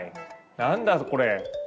何だこれ？